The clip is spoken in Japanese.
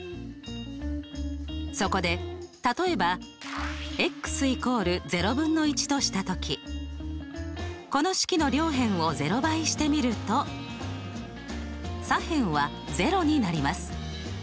そこで例えば＝とした時この式の両辺を０倍してみると左辺は０になります。